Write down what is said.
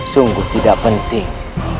sungguh tidak penting